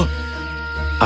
kau tahu singa